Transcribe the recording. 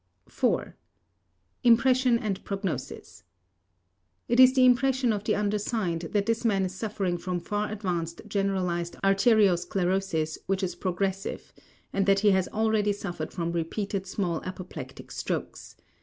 4. IMPRESSION AND PROGNOSIS: It is the impression of the undersigned that this man is suffering from far advanced generalized arteriosclerosis which is progressive and that he has already suffered from repeated small apoplectic strokes.